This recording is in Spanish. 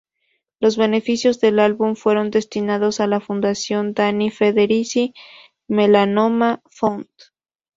Los beneficios del álbum fueron destinados a la fundación Danny Federici Melanoma Fund.